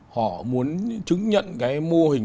họ muốn chứng nhận cái mô hình